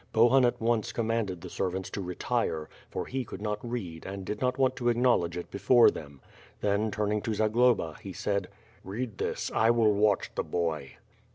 Bohun at once commanded the servants to retire, for he could not read and did not want to acknowledge it before them. Then turning to Zagloba, he said: "Read this, I will watch the boy."